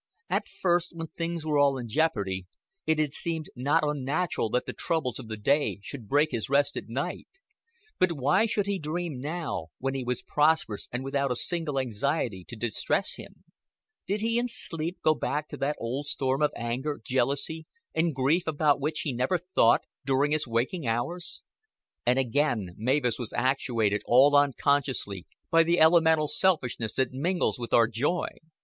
At first, when things were all in jeopardy, it had seemed not unnatural that the troubles of the day should break his rest at night; but why should he dream now, when he was prosperous and without a single anxiety to distress him? Did he in sleep go back to that old storm of anger, jealousy, and grief about which he never thought during his waking hours? And again Mavis was actuated all unconsciously by the elemental selfishness that mingles with our joy.